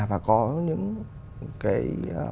và có những cái